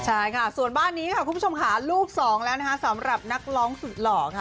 ใช่ค่ะส่วนบ้านนี้ค่ะคุณผู้ชมค่ะลูกสองแล้วนะคะสำหรับนักร้องสุดหล่อค่ะ